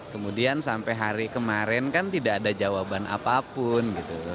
kemudian sampai hari kemarin kan tidak ada jawaban apapun